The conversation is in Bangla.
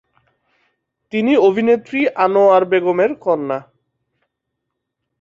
তিনি অভিনেত্রী আনোয়ার বেগমের কন্যা।